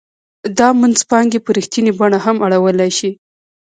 دا منځپانګې په رښتینې بڼه هم اړولای شي